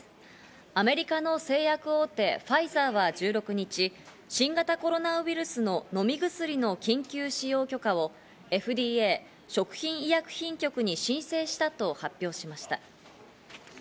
アメリカの製薬大手ファイザーは１６日、新型コロナウイルスの飲み薬の緊急使用許可をＦＤＡ＝食品医薬品局に申請したと発表しました。